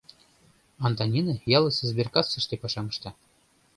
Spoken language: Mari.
Антонина ялысе сберкассыште пашам ышта.